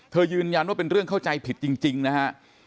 ยืนยันว่าเป็นเรื่องเข้าใจผิดจริงนะฮะ